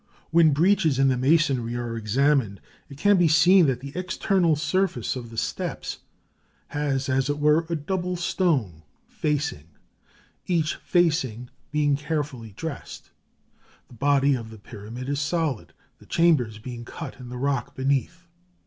When breaches in the masonry are examined, it can be seen that the external surface of the steps has, as it were, a double stone facing, each facing being carefully dressed. The body of the pyramid is solid, the chambers being cut in the rock beneath.